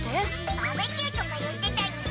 バーベキューとか言ってたにゅい。